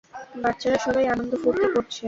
বাচ্চারা সবাই আনন্দ-ফুর্তি করছে।